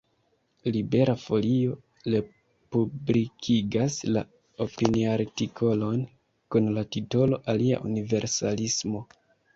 Libera Folio republikigas la opiniartikolon kun la titolo "Alia universalismo".